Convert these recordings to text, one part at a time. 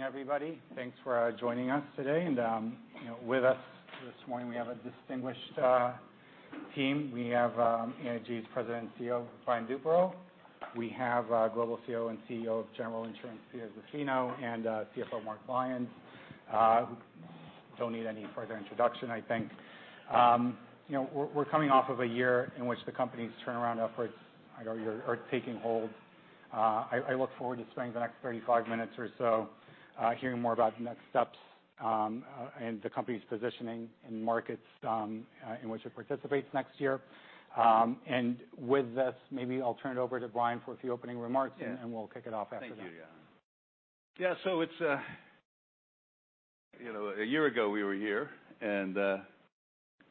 Morning, everybody. Thanks for joining us today. With us this morning, we have a distinguished team. We have AIG's President and CEO, Brian Duperreault. We have Global CEO and CEO of General Insurance, Peter Zaffino, and CFO, Mark Lyons, who don't need any further introduction, I think. We're coming off of a year in which the company's turnaround efforts are taking hold. I look forward to spending the next 35 minutes or so hearing more about the next steps and the company's positioning in markets in which it participates next year. With this, maybe I'll turn it over to Brian for a few opening remarks. Yeah. We'll kick it off after that. Thank you. A year ago we were here, and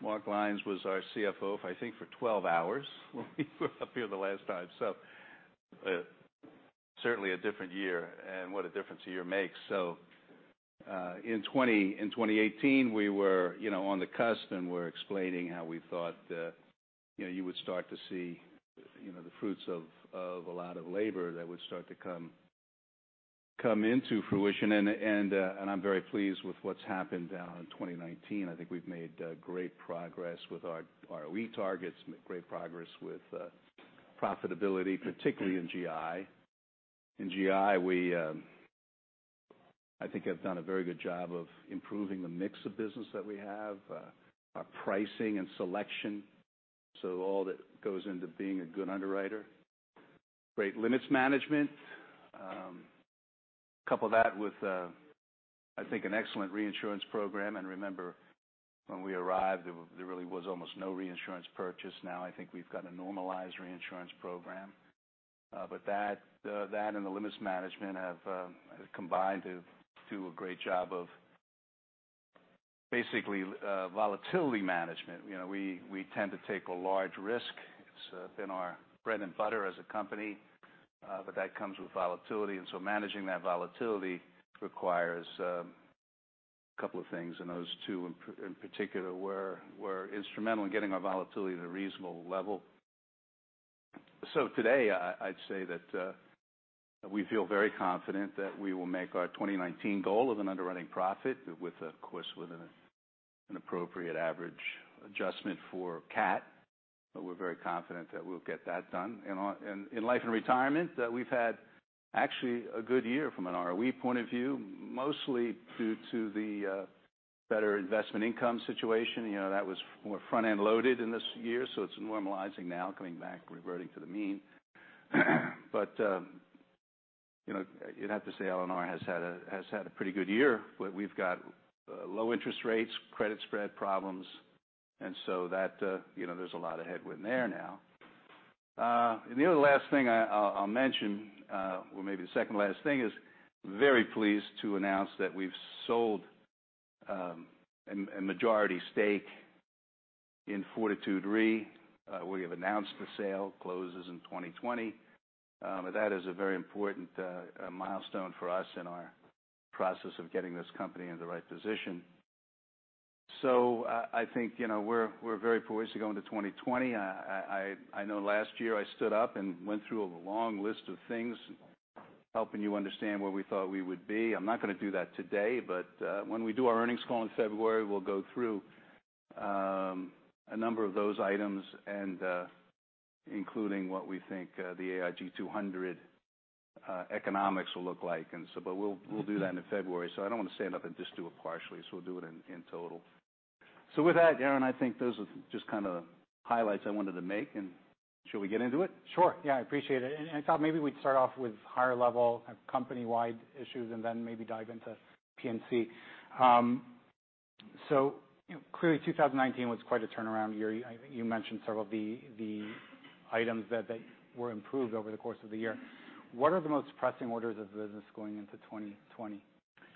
Mark Lyons was our CFO, I think for 12 hours when we were up here the last time. Certainly a different year, and what a difference a year makes. In 2018, we were on the cusp, and we're explaining how we thought you would start to see the fruits of a lot of labor that would start to come into fruition. I'm very pleased with what's happened in 2019. I think we've made great progress with our ROE targets, great progress with profitability, particularly in GI. In GI, we I think have done a very good job of improving the mix of business that we have, our pricing and selection. All that goes into being a good underwriter. Great limits management. Couple that with, I think, an excellent reinsurance program, remember when we arrived, there really was almost no reinsurance purchase. Now, I think we've got a normalized reinsurance program. That and the limits management have combined to do a great job of basically volatility management. We tend to take a large risk. It's been our bread and butter as a company, but that comes with volatility, managing that volatility requires a couple of things, and those two in particular were instrumental in getting our volatility at a reasonable level. Today, I'd say that we feel very confident that we will make our 2019 goal of an underwriting profit, of course, with an appropriate average adjustment for CAT. We're very confident that we'll get that done. In Life & Retirement, that we've had actually a good year from an ROE point of view, mostly due to the better investment income situation. That was more front-end loaded in this year, so it's normalizing now, coming back, reverting to the mean. You'd have to say L&R has had a pretty good year. We've got low interest rates, credit spread problems, there's a lot of headwind there now. The other last thing I'll mention, or maybe the second last thing, is very pleased to announce that we've sold a majority stake in Fortitude Re. We have announced the sale closes in 2020. That is a very important milestone for us in our process of getting this company in the right position. I think we're very poised to go into 2020. I know last year, I stood up and went through a long list of things helping you understand where we thought we would be. I'm not going to do that today, when we do our earnings call in February, we'll go through a number of those items and including what we think the AIG 200 economics will look like. We'll do that in February, so I don't want to stand up and just do it partially. We'll do it in total. With that, Aaron, I think those are just kind of the highlights I wanted to make, and should we get into it? Sure. Yeah, I appreciate it. I thought maybe we'd start off with higher-level company-wide issues and then maybe dive into P&C. Clearly, 2019 was quite a turnaround year. You mentioned several of the items that were improved over the course of the year. What are the most pressing orders of business going into 2020?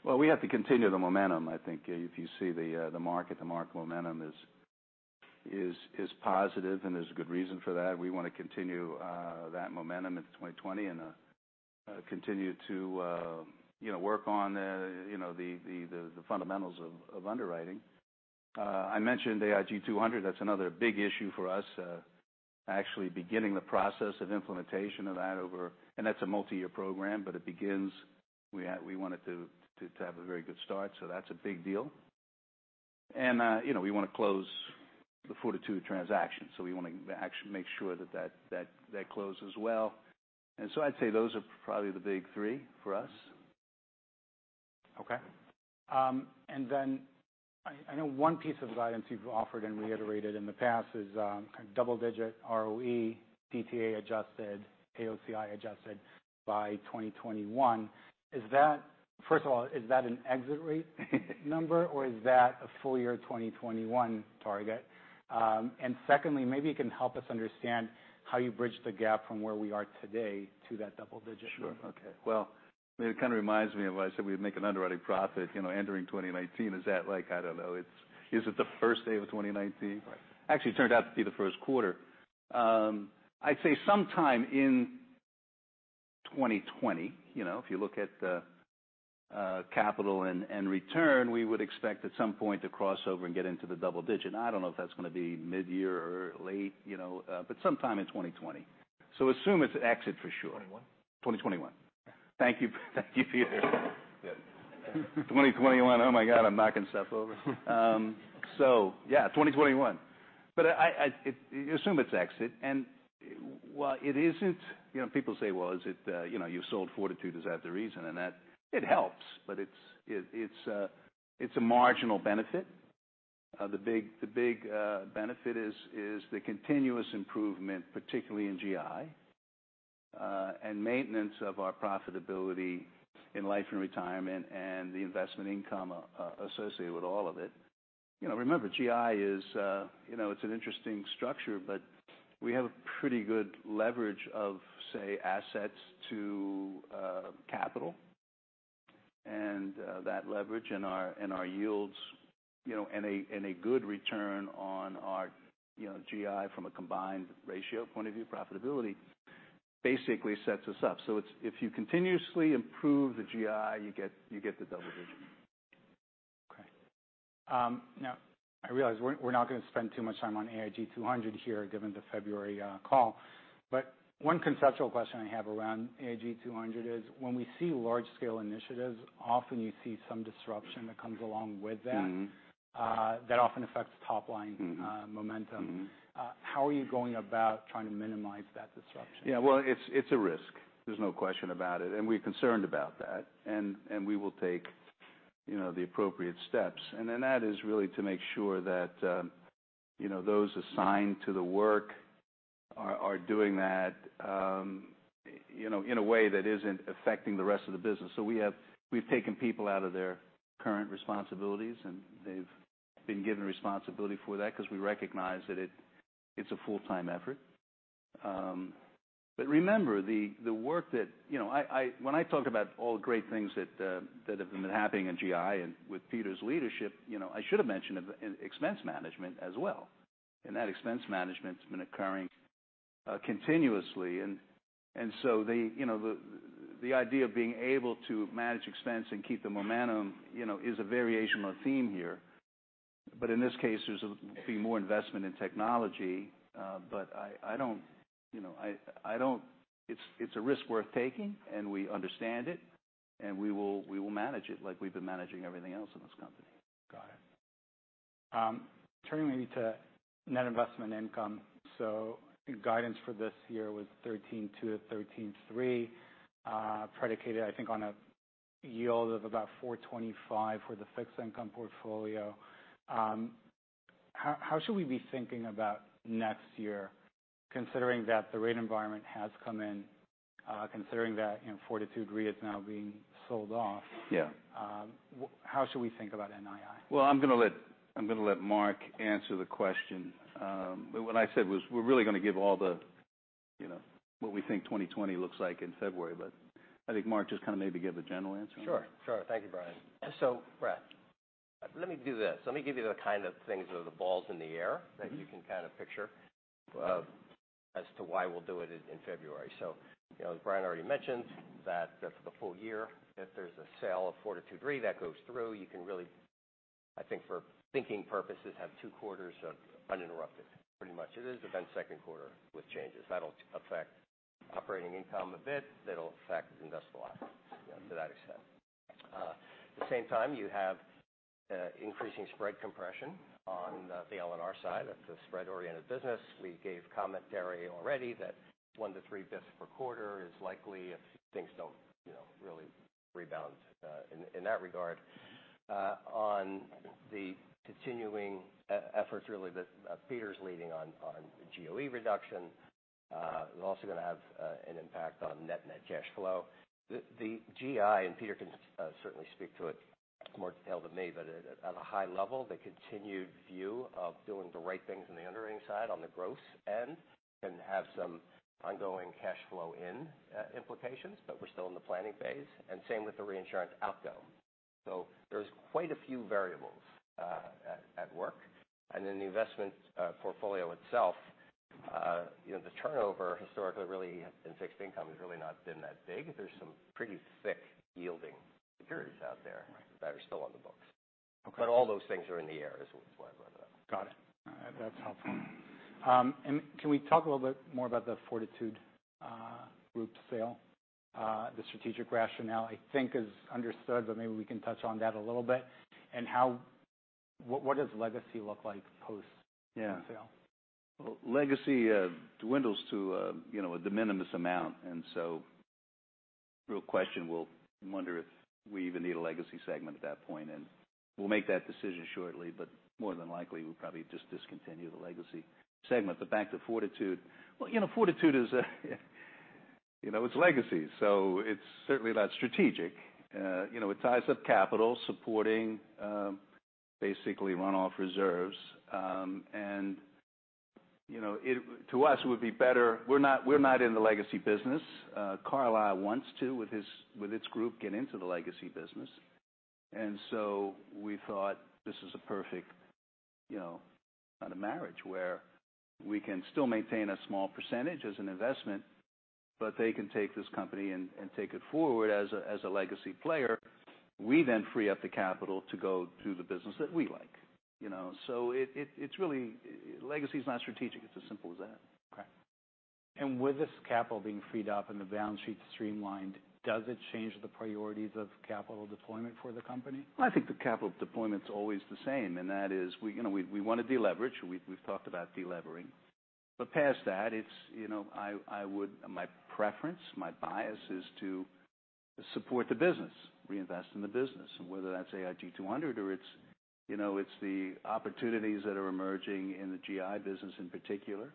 Well, we have to continue the momentum. I think if you see the market, the market momentum is positive, there's a good reason for that. We want to continue that momentum into 2020 and continue to work on the fundamentals of underwriting. I mentioned AIG 200. That's another big issue for us, actually beginning the process of implementation of that. That's a multi-year program, but it begins. We want it to have a very good start, so that's a big deal. We want to close the Fortitude transaction, so we want to actually make sure that closes well. I'd say those are probably the big three for us. Okay. I know one piece of guidance you've offered and reiterated in the past is double-digit ROE, DTA adjusted, AOCI adjusted by 2021. First of all, is that an exit rate number, or is that a full-year 2021 target? Secondly, maybe you can help us understand how you bridge the gap from where we are today to that double-digit. Sure. Okay. Well, it kind of reminds me of when I said we'd make an underwriting profit entering 2019. Is that like, I don't know, is it the first day of 2019? Right. Actually, it turned out to be the first quarter. I'd say sometime in 2020. If you look at capital and return, we would expect at some point to cross over and get into the double-digit. I don't know if that's going to be mid-year or late, but sometime in 2020. Assume it's exit for sure. 2021. 2021. Thank you, Peter. Yeah. 2021. Oh my God, I'm knocking stuff over. Yeah, 2021, assume it's exit and while it isn't, people say, "Well, you sold Fortitude. Is that the reason?" That it helps, it's a marginal benefit. The big benefit is the continuous improvement, particularly in GI, and maintenance of our profitability in Life and Retirement, and the investment income associated with all of it. Remember, GI is an interesting structure, we have a pretty good leverage of, say, assets to capital and that leverage in our yields, and a good return on our GI from a combined ratio point of view, profitability basically sets us up. If you continuously improve the GI, you get the double-digit. Okay. I realize we're not going to spend too much time on AIG 200 here, given the February call. One conceptual question I have around AIG 200 is when we see large-scale initiatives, often you see some disruption that comes along with that. That often affects top-line. momentum. How are you going about trying to minimize that disruption? Well, it's a risk. There's no question about it, and we're concerned about that, and we will take the appropriate steps. That is really to make sure that those assigned to the work are doing that in a way that isn't affecting the rest of the business. We've taken people out of their current responsibilities, and they've been given responsibility for that because we recognize that it's a full-time effort. Remember the work that when I talk about all the great things that have been happening in GI and with Peter's leadership, I should have mentioned expense management as well. That expense management's been occurring continuously. The idea of being able to manage expense and keep the momentum is a variation or theme here. In this case, there's be more investment in technology. It's a risk worth taking, and we understand it, and we will manage it like we've been managing everything else in this company. Got it. Turning maybe to net investment income. I think guidance for this year was $13.2 billion-$13.3 billion, predicated, I think, on a yield of about 425 for the fixed income portfolio. How should we be thinking about next year, considering that the rate environment has come in, considering that Fortitude Re is now being sold off? Yeah. How should we think about NII? I'm going to let Mark answer the question. What I said was, we're really going to give all what we think 2020 looks like in February. I think Mark, just kind of maybe give a general answer. Thank you, Brian. Brad, let me do this. Let me give you the kind of things or the balls in the air that you can kind of picture as to why we'll do it in February. As Brian already mentioned that for the full year, if there's a sale of Fortitude Re that goes through, you can really, I think, for thinking purposes, have two quarters of uninterrupted, pretty much. It is then second quarter with changes that'll affect operating income a bit. That'll affect industrial assets to that extent. At the same time, you have increasing spread compression on the L&R side of the spread-oriented business. We gave commentary already that one to three basis points per quarter is likely if things don't really rebound in that regard. On the continuing efforts really that Peter's leading on GOE reduction is also going to have an impact on net cash flow. The GI, and Peter can certainly speak to it in more detail than me, but at a high level, the continued view of doing the right things on the underwriting side on the gross underwriting can have some ongoing cash flow implications, but we're still in the planning phase, and same with the reinsurance outgo. There's quite a few variables at work. The investment portfolio itself, the turnover historically really in fixed income has really not been that big. There's some pretty thick yielding securities out there that are still on the books. Okay. All those things are in the air as well. Got it. That's helpful. Can we talk a little bit more about the Fortitude Re sale? The strategic rationale, I think, is understood, but maybe we can touch on that a little bit. What does Legacy look like post sale? Yeah. Legacy dwindles to a de minimis amount, real question will wonder if we even need a legacy segment at that point, we'll make that decision shortly, but more than likely, we'll probably just discontinue the legacy segment. The fact that Fortitude is legacy, it's certainly that strategic. It ties up capital supporting basically runoff reserves. We're not in the legacy business. Carlyle wants to, with its group, get into the legacy business. We thought this is a perfect marriage where we can still maintain a small percentage as an investment, but they can take this company and take it forward as a legacy player. We free up the capital to go do the business that we like. Legacy's not strategic, it's as simple as that. Okay. With this capital being freed up and the balance sheet streamlined, does it change the priorities of capital deployment for the company? I think the capital deployment's always the same, that is we want to deleverage. We've talked about de-levering. Past that, my preference, my bias is to support the business, reinvest in the business, whether that's AIG 200 or it's the opportunities that are emerging in the GI business in particular,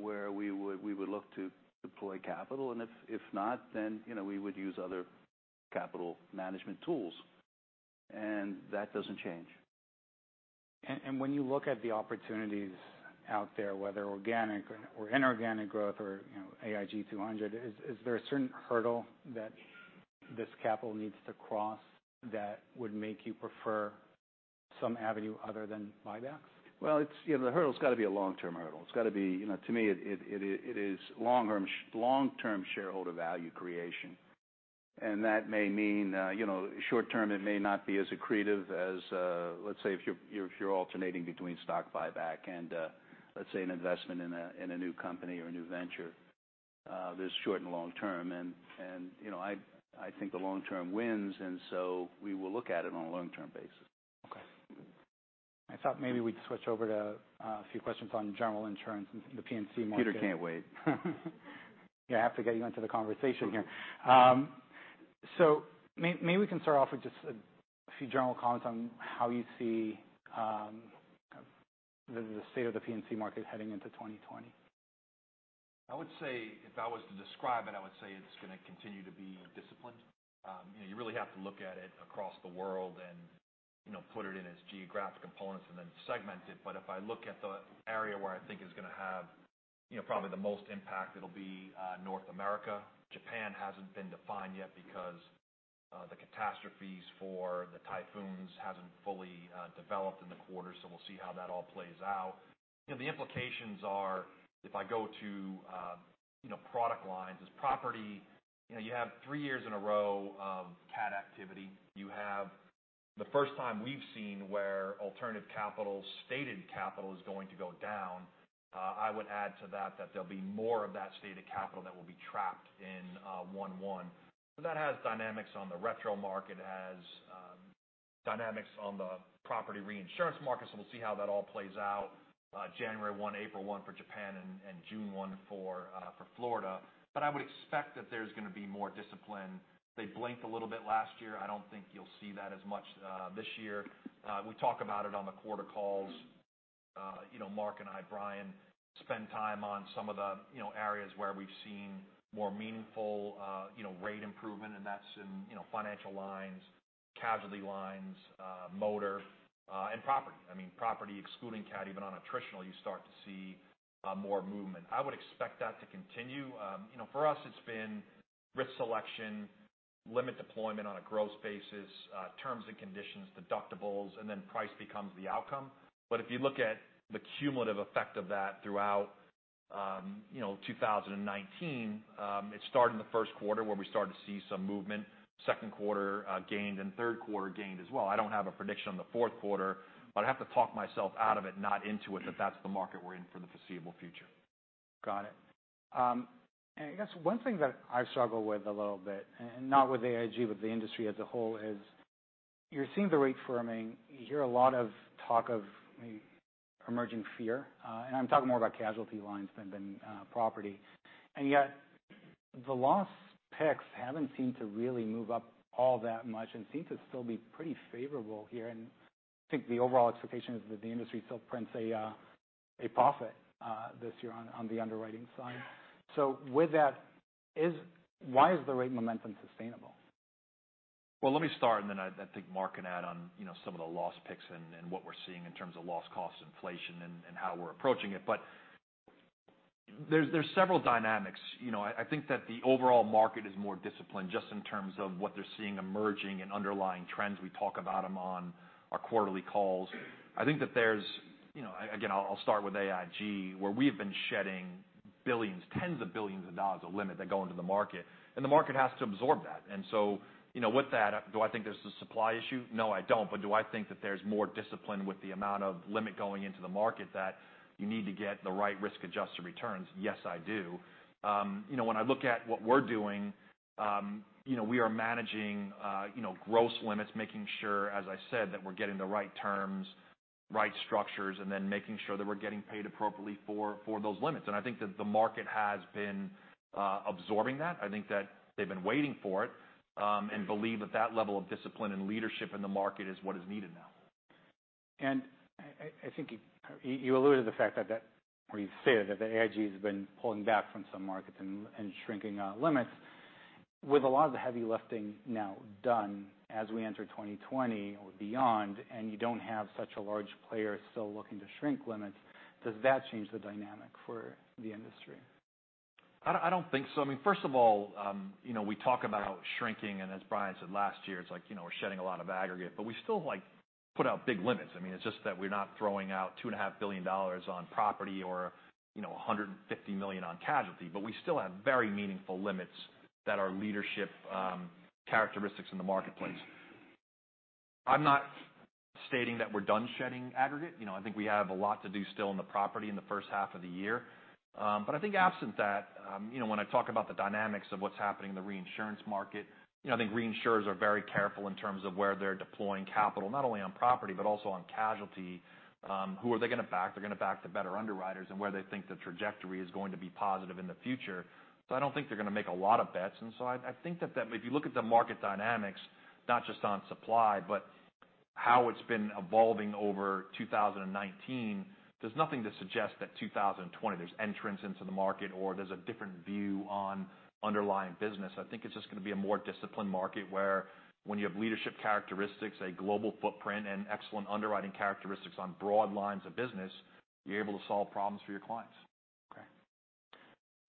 where we would look to deploy capital. If not, we would use other capital management tools. That doesn't change. When you look at the opportunities out there, whether organic or inorganic growth or AIG 200, is there a certain hurdle that this capital needs to cross that would make you prefer some avenue other than buybacks? Well, the hurdle's got to be a long-term hurdle. To me, it is long-term shareholder value creation. That may mean short term, it may not be as accretive as, let's say, if you're alternating between stock buyback and let's say an investment in a new company or a new venture. There's short and long term, so we will look at it on a long-term basis. Okay. I thought maybe we'd switch over to a few questions on General Insurance and the P&C market. Peter can't wait. Yeah, I have to get you into the conversation here. Maybe we can start off with just a few general comments on how you see the state of the P&C market heading into 2020. I would say, if I was to describe it, I would say it's going to continue to be disciplined. You really have to look at it across the world and put it in its geographic components and then segment it. If I look at the area where I think is going to have probably the most impact, it'll be North America. Japan hasn't been defined yet because the catastrophes for the typhoons hasn't fully developed in the quarter, so we'll see how that all plays out. The implications are, if I go to product lines, as property, you have three years in a row of CAT activity. You have the first time we've seen where alternative capital, stated capital is going to go down. I would add to that there'll be more of that stated capital that will be trapped in one-one. That has dynamics on the retro market, it has dynamics on the property reinsurance market, so we'll see how that all plays out January 1, April 1 for Japan, and June 1 for Florida. I would expect that there's going to be more discipline. They blinked a little bit last year. I don't think you'll see that as much this year. We talk about it on the quarter calls. Mark and I, Brian, spend time on some of the areas where we've seen more meaningful rate improvement, and that's in financial lines, casualty lines, motor, and property. I mean, property excluding CAT, even on attritional, you start to see more movement. I would expect that to continue. For us, it's been risk selection, limit deployment on a gross basis, terms and conditions, deductibles, and then price becomes the outcome. If you look at the cumulative effect of that throughout 2019, it started in the first quarter where we started to see some movement. Second quarter gained, and third quarter gained as well. I don't have a prediction on the fourth quarter, but I'd have to talk myself out of it, not into it, that that's the market we're in for the foreseeable future. Got it. I guess one thing that I struggle with a little bit, and not with AIG, with the industry as a whole, is you're seeing the rate firming. You hear a lot of talk of emerging fear, and I'm talking more about casualty lines than property. Yet the loss picks haven't seemed to really move up all that much and seem to still be pretty favorable here. I think the overall expectation is that the industry still prints a profit this year on the underwriting side. With that, why is the rate momentum sustainable? Well, let me start, and then I think Mark can add on some of the loss picks and what we're seeing in terms of loss cost inflation and how we're approaching it. There's several dynamics. I think that the overall market is more disciplined just in terms of what they're seeing emerging in underlying trends. We talk about them on our quarterly calls. I think that there's, again, I'll start with AIG, where we have been shedding billions, tens of billions of dollars of limit that go into the market, and the market has to absorb that. With that, do I think there's a supply issue? No, I don't. Do I think that there's more discipline with the amount of limit going into the market that you need to get the right risk-adjusted returns? Yes, I do. When I look at what we're doing, we are managing gross limits, making sure, as I said, that we're getting the right terms, right structures, and then making sure that we're getting paid appropriately for those limits. I think that the market has been absorbing that. I think that they've been waiting for it, and believe that that level of discipline and leadership in the market is what is needed now. I think you alluded to the fact that, or you stated that AIG has been pulling back from some markets and shrinking limits. With a lot of the heavy lifting now done as we enter 2020 or beyond, and you don't have such a large player still looking to shrink limits, does that change the dynamic for the industry? I don't think so. I mean, first of all, we talk about shrinking, and as Brian said last year, it's like we're shedding a lot of aggregate, but we still like put out big limits. I mean, it's just that we're not throwing out $2.5 billion on property or $150 million on casualty, but we still have very meaningful limits that are leadership characteristics in the marketplace. I'm not stating that we're done shedding aggregate. I think we have a lot to do still in the property in the first half of the year. I think absent that, when I talk about the dynamics of what's happening in the reinsurance market, I think reinsurers are very careful in terms of where they're deploying capital, not only on property but also on casualty. Who are they going to back? They're going to back the better underwriters and where they think the trajectory is going to be positive in the future. I don't think they're going to make a lot of bets. I think that if you look at the market dynamics, not just on supply, but how it's been evolving over 2019, there's nothing to suggest that 2020 there's entrance into the market or there's a different view on underlying business. I think it's just going to be a more disciplined market where when you have leadership characteristics, a global footprint, and excellent underwriting characteristics on broad lines of business, you're able to solve problems for your clients. Okay.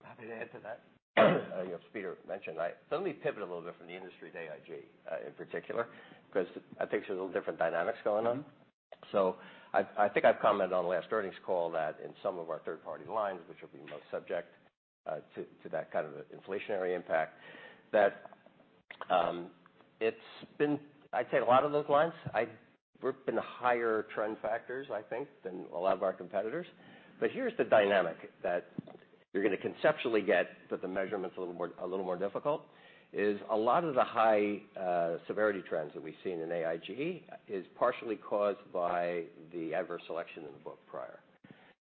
Happy to add to that. As Peter mentioned, let me pivot a little bit from the industry to AIG in particular, because I think there's a little different dynamics going on. I think I've commented on the last earnings call that in some of our third-party lines, which will be most subject to that kind of inflationary impact, that it's been, I'd say a lot of those lines, we're in higher trend factors, I think, than a lot of our competitors. Here's the dynamic that you're going to conceptually get, but the measurement's a little more difficult, is a lot of the high severity trends that we've seen in AIG is partially caused by the adverse selection in the book prior.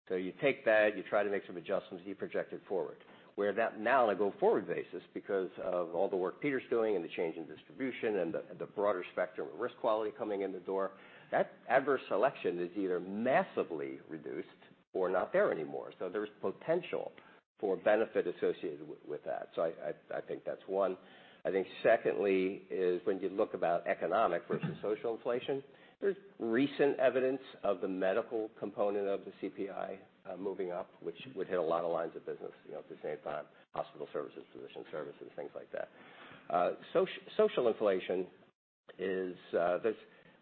You take that, you try to make some adjustments, you project it forward. Where that now on a go-forward basis, because of all the work Peter's doing and the change in distribution and the broader spectrum of risk quality coming in the door, that adverse selection is either massively reduced or not there anymore. There's potential for benefit associated with that. I think that's one. I think secondly is when you look about economic versus social inflation, there's recent evidence of the medical component of the CPI moving up, which would hit a lot of lines of business at the same time, hospital services, physician services, things like that. Social inflation is, there's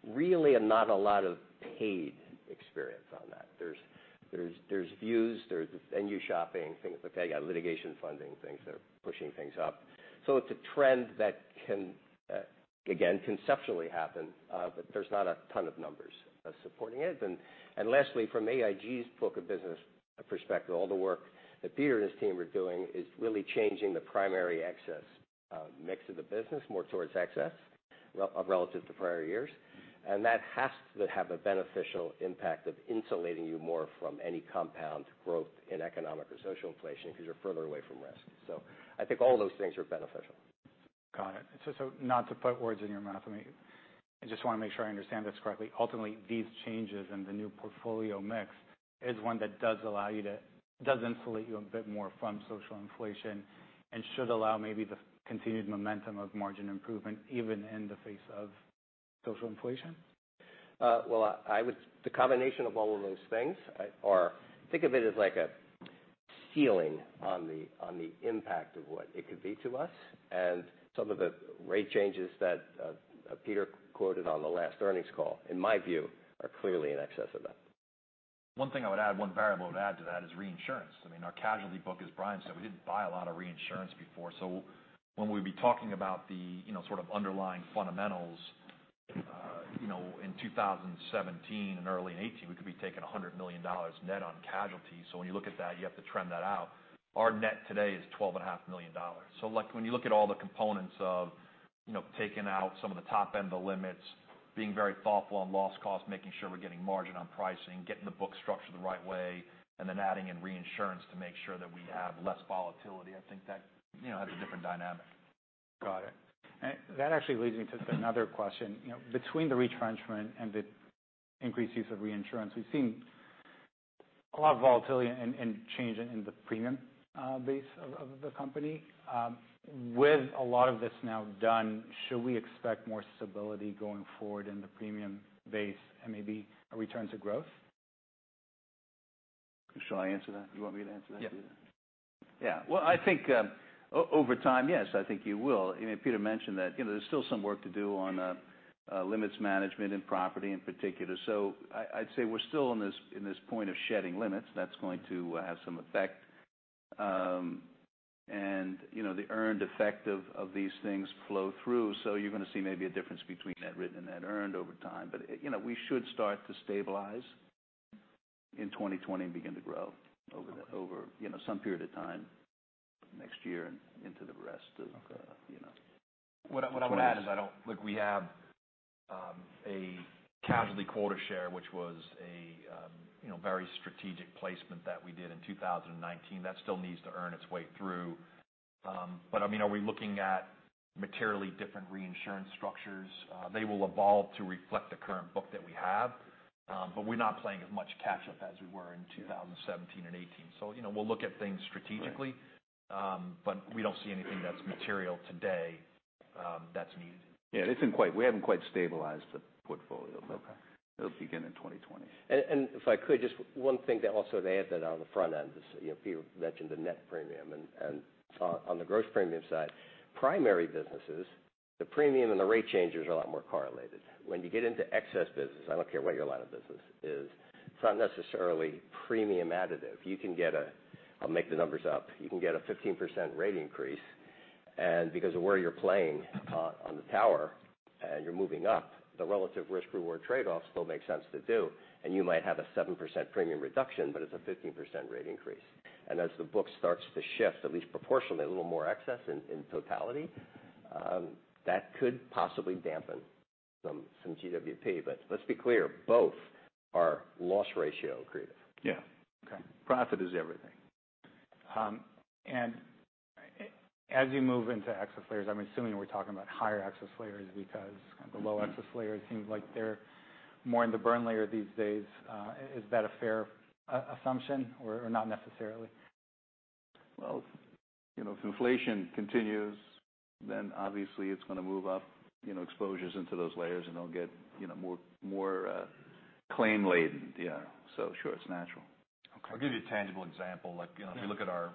really not a lot of paid experience on that. There's views, there's venue shopping, things like that. You got litigation funding things that are pushing things up. It's a trend that can, again, conceptually happen, but there's not a ton of numbers supporting it. Lastly, from AIG's book of business perspective, all the work that Peter and his team are doing is really changing the primary excess mix of the business more towards excess relative to prior years. That has to have a beneficial impact of insulating you more from any compound growth in economic or social inflation because you're further away from risk. I think all those things are beneficial. Got it. Not to put words in your mouth. I just want to make sure I understand this correctly. Ultimately, these changes and the new portfolio mix is one that does insulate you a bit more from social inflation and should allow maybe the continued momentum of margin improvement even in the face of social inflation? The combination of all of those things are, think of it as like a ceiling on the impact of what it could be to us, and some of the rate changes that Peter quoted on the last earnings call, in my view, are clearly in excess of that. One thing I would add, one variable to add to that is reinsurance. Our casualty book, as Brian said, we didn't buy a lot of reinsurance before. When we'd be talking about the sort of underlying fundamentals, in 2017 and early in 2018, we could be taking $100 million net on casualty. When you look at that, you have to trend that out. Our net today is $12.5 million. When you look at all the components of taking out some of the top end of limits, being very thoughtful on loss cost, making sure we're getting margin on pricing, getting the book structured the right way, and then adding in reinsurance to make sure that we have less volatility, I think that has a different dynamic. Got it. That actually leads me to another question. Between the retrenchment and the increased use of reinsurance, we've seen a lot of volatility and change in the premium base of the company. With a lot of this now done, should we expect more stability going forward in the premium base and maybe a return to growth? Shall I answer that? Do you want me to answer that, Peter? Yeah. Well, I think over time, yes, I think you will. Peter mentioned that there's still some work to do on limits management in property in particular. I'd say we're still in this point of shedding limits. That's going to have some effect. The earned effect of these things flow through. You're going to see maybe a difference between net written and net earned over time. We should start to stabilize in 2020 and begin to grow over some period of time next year. Okay What I would add is, look, we have a casualty quota share, which was a very strategic placement that we did in 2019. That still needs to earn its way through. I mean, are we looking at materially different reinsurance structures? They will evolve to reflect the current book that we have. We're not playing as much catch up as we were in 2017 and 2018. We'll look at things strategically. Right. We don't see anything that's material today that's needed. Yeah, we haven't quite stabilized the portfolio. Okay. It'll begin in 2020. If I could, just one thing to also to add to that on the front end is, Peter mentioned the net premium. On the gross premium side, primary businesses. The premium and the rate changes are a lot more correlated. When you get into excess business, I don't care what your line of business is, it's not necessarily premium additive. You can get a, I'll make the numbers up, you can get a 15% rate increase, and because of where you're playing on the tower and you're moving up, the relative risk reward trade-off still makes sense to do, and you might have a 7% premium reduction, but it's a 15% rate increase. As the book starts to shift, at least proportionally, a little more excess in totality, that could possibly dampen some GWP. Let's be clear, both are loss ratio accretive. Yeah. Okay. Profit is everything. As you move into excess layers, I'm assuming we're talking about higher excess layers because the low excess layers seem like they're more in the burn layer these days. Is that a fair assumption or not necessarily? If inflation continues, obviously it's going to move up exposures into those layers and they'll get more claim laden. Yeah. Sure, it's natural. Okay. I'll give you a tangible example. If you look at our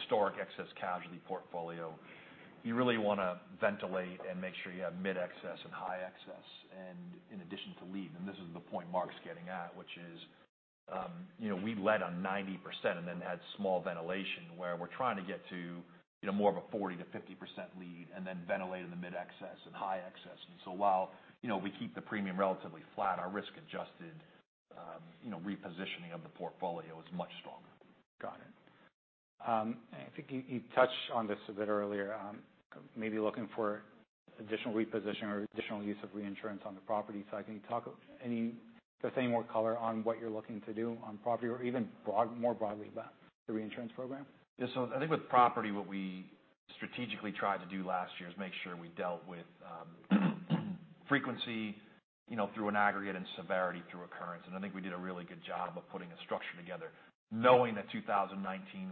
historic excess casualty portfolio, you really want to ventilate and make sure you have mid excess and high excess, in addition to lead. This is the point Mark's getting at, which is we led on 90% and had small ventilation where we're trying to get to more of a 40%-50% lead, and then ventilate in the mid excess and high excess. While we keep the premium relatively flat, our risk adjusted repositioning of the portfolio is much stronger. Got it. I think you touched on this a bit earlier, maybe looking for additional reposition or additional use of reinsurance on the property side. Can you talk just any more color on what you're looking to do on property or even more broadly about the reinsurance program? Yeah. I think with property, what we strategically tried to do last year is make sure we dealt with frequency through an aggregate and severity through occurrence. I think we did a really good job of putting a structure together knowing that 2019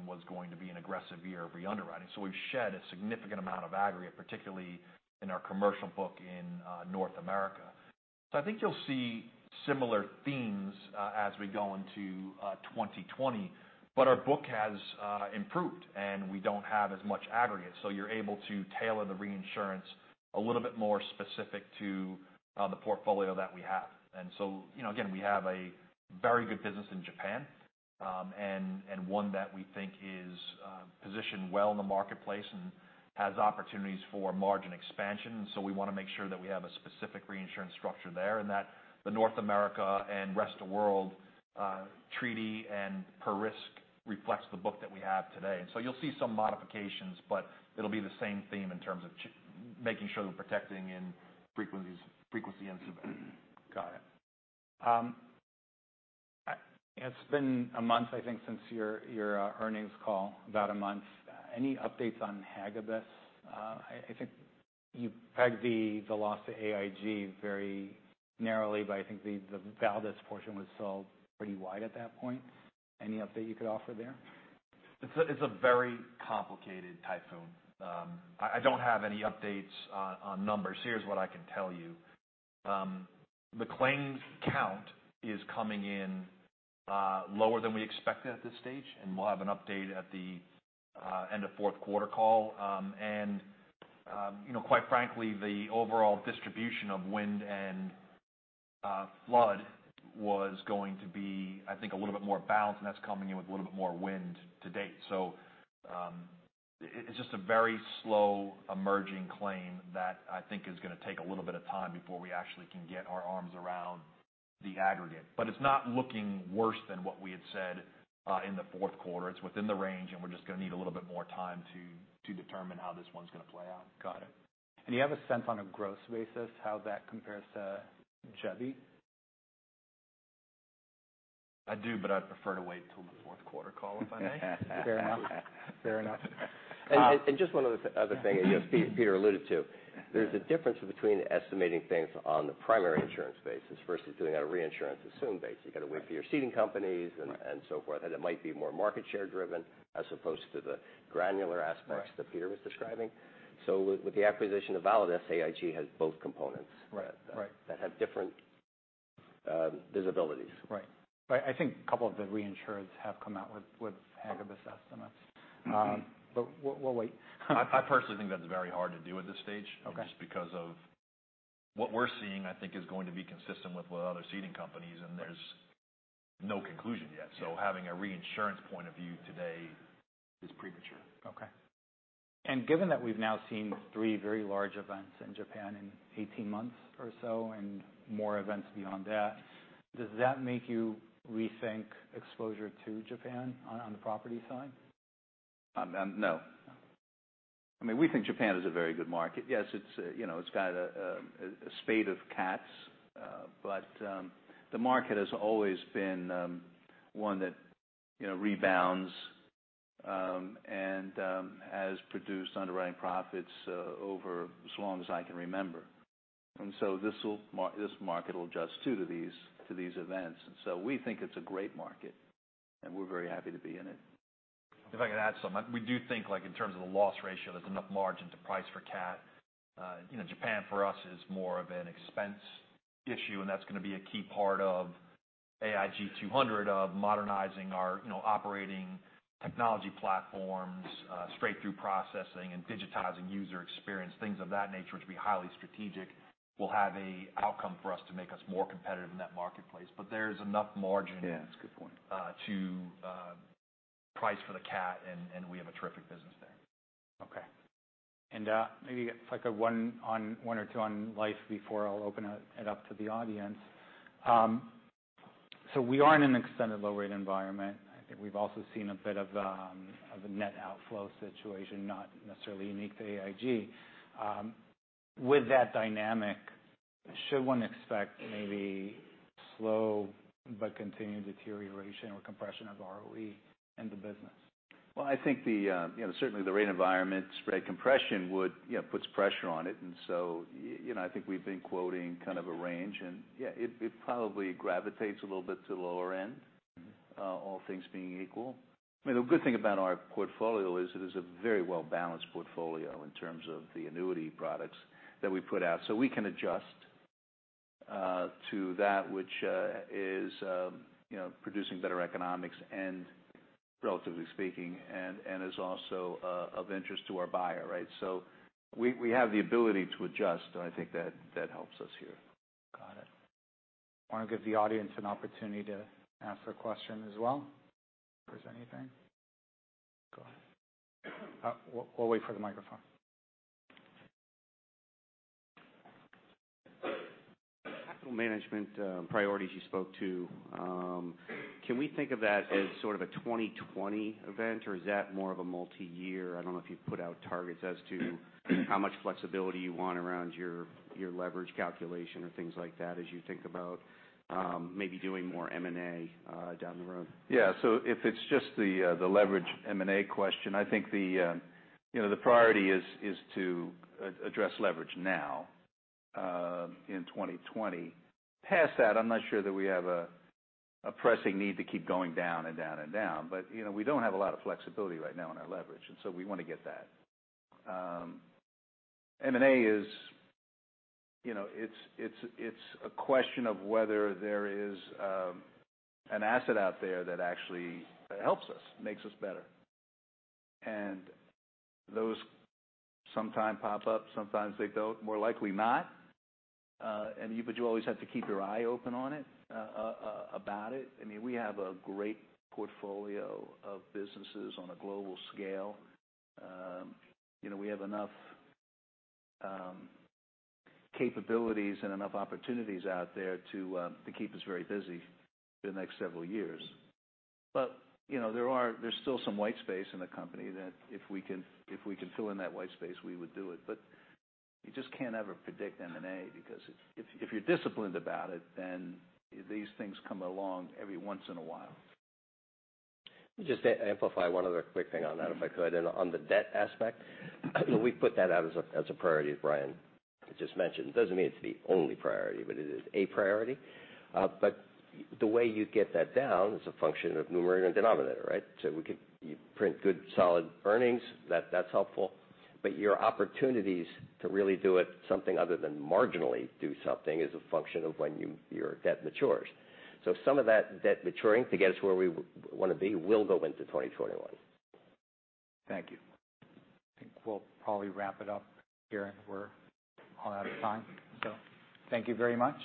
was going to be an aggressive year of re-underwriting. We've shed a significant amount of aggregate, particularly in our commercial book in North America. I think you'll see similar themes as we go into 2020, but our book has improved, and we don't have as much aggregate, you're able to tailor the reinsurance a little bit more specific to the portfolio that we have. Again, we have a very good business in Japan, and one that we think is positioned well in the marketplace and has opportunities for margin expansion. We want to make sure that we have a specific reinsurance structure there, and that the North America and rest of world treaty and per risk reflects the book that we have today. You'll see some modifications, but it'll be the same theme in terms of making sure we're protecting in frequency and severity. Got it. It's been a month, I think, since your earnings call, about a month. Any updates on Hagibis? I think you pegged the loss to AIG very narrowly, but I think the Validus portion was still pretty wide at that point. Any update you could offer there? It's a very complicated typhoon. I don't have any updates on numbers. Here's what I can tell you. The claims count is coming in lower than we expected at this stage, and we'll have an update at the end of fourth quarter call. Quite frankly, the overall distribution of wind and flood was going to be, I think, a little bit more balanced, and that's coming in with a little bit more wind to date. It's just a very slow emerging claim that I think is going to take a little bit of time before we actually can get our arms around the aggregate. It's not looking worse than what we had said in the fourth quarter. It's within the range, and we're just going to need a little bit more time to determine how this one's going to play out. Got it. Do you have a sense on a gross basis how that compares to Jebi? I do, but I'd prefer to wait till the fourth quarter call, if I may. Fair enough. Fair enough. Just one other thing that Peter alluded to, there's a difference between estimating things on the primary insurance basis versus doing it on a reinsurance assume basis. You got to wait for your ceding companies and so forth, and it might be more market share driven as opposed to the granular aspects that Peter was describing. With the acquisition of Validus, AIG has both components- Right that have different visibilities. Right. I think a couple of the reinsurers have come out with Hagibis estimates. We'll wait. I personally think that's very hard to do at this stage. Okay. Just because of what we're seeing, I think, is going to be consistent with what other ceding companies, and there's no conclusion yet. Having a reinsurance point of view today is premature. Okay. Given that we've now seen three very large events in Japan in 18 months or so, and more events beyond that, does that make you rethink exposure to Japan on the property side? No. We think Japan is a very good market. Yes, it's got a spate of CATs, the market has always been one that rebounds and has produced underwriting profits over as long as I can remember. This market will adjust too to these events. We think it's a great market, and we're very happy to be in it. If I could add something, we do think like in terms of the loss ratio, there's enough margin to price for CAT. Japan for us is more of an expense issue, that's going to be a key part of AIG 200 of modernizing our operating technology platforms, straight-through processing, and digitizing user experience, things of that nature which will be highly strategic, will have a outcome for us to make us more competitive in that marketplace. There's enough margin. Yeah, that's a good point. to price for the CAT, and we have a terrific business there. Okay. Maybe it's like a one or two on Life before I'll open it up to the audience. We are in an extended low-rate environment. I think we've also seen a bit of a net outflow situation, not necessarily unique to AIG. With that dynamic, should one expect maybe slow but continued deterioration or compression of ROE in the business? Well, I think certainly the rate environment spread compression puts pressure on it. I think we've been quoting kind of a range and yeah, it probably gravitates a little bit to the lower end. all things being equal. I mean, the good thing about our portfolio is it is a very well-balanced portfolio in terms of the annuity products that we put out. We can adjust to that which is producing better economics and relatively speaking, and is also of interest to our buyer, right? We have the ability to adjust, and I think that helps us here. Got it. Want to give the audience an opportunity to ask a question as well. If there's anything, go ahead. We'll wait for the microphone. Capital management priorities you spoke to, can we think of that as sort of a 2020 event, or is that more of a multi-year? I don't know if you've put out targets as to how much flexibility you want around your leverage calculation or things like that as you think about maybe doing more M&A down the road. Yeah. If it's just the leverage M&A question, I think the priority is to address leverage now in 2020. Past that, I'm not sure that we have a pressing need to keep going down and down and down, we don't have a lot of flexibility right now in our leverage, we want to get that. M&A is a question of whether there is an asset out there that actually helps us, makes us better. Those sometimes pop up, sometimes they don't. More likely not. You always have to keep your eye open on it, about it. I mean, we have a great portfolio of businesses on a global scale. We have enough capabilities and enough opportunities out there to keep us very busy for the next several years. There's still some white space in the company that if we can fill in that white space, we would do it. You just can't ever predict M&A because if you're disciplined about it, these things come along every once in a while. Let me just amplify one other quick thing on that, if I could. On the debt aspect, we put that out as a priority, as Brian just mentioned. It doesn't mean it's the only priority, but it is a priority. The way you get that down is a function of numerator and denominator, right? We could print good, solid earnings. That's helpful. Your opportunities to really do it, something other than marginally do something is a function of when your debt matures. Some of that debt maturing to get us where we want to be will go into 2021. Thank you. I think we'll probably wrap it up here. We're all out of time. Thank you very much.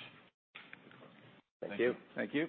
Thank you. Thank you.